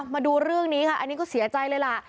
มาดูเรื่องนี้ค่ะอันนี้ก็เสียใจเลยล่ะ